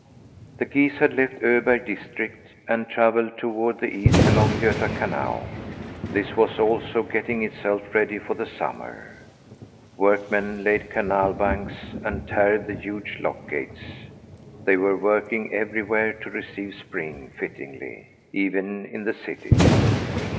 The geese had left Öberg district, and travelled toward the east along Göta Canal. This was also getting itself ready for the summer. Workmen laid canal banks, and tarred the huge lock gates. They were working everywhere to receive spring fittingly, even in the cities.